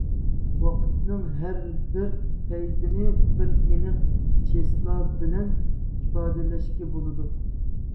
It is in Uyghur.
ۋاقىتنىڭ ھەربىر پەيتىنى بىر ئېنىق چېسلا بىلەن ئىپادىلەشكە بولىدۇ.